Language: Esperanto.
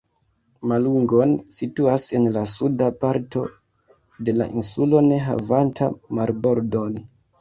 Malungon situas en la suda parto de la insulo ne havanta marbordon.